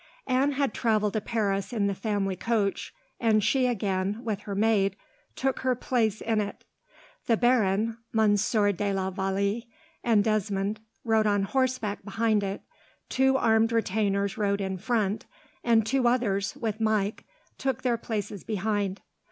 Anne had travelled to Paris in the family coach, and she again, with her maid, took her place in it. The baron, Monsieur de la Vallee, and Desmond rode on horseback behind it, two armed retainers rode in front, and two others, with Mike, took their places behind.